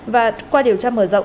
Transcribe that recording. và qua điều tra mở giấy